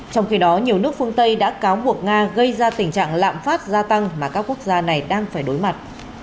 trong khi đó nhiều nước phương tây đã cáo buộc nga gây ra tình trạng lạm phát gia tăng mà các quốc gia này đang phải đối mặt